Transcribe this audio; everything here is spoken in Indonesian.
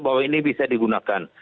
bahwa ini bisa digunakan